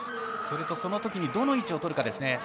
そのときにどの位置を取るかですね。